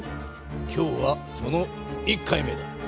今日はその１回目だ。